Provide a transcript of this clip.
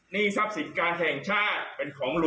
นี่ทรัพย์สินการแห่งชาติเป็นของหลวง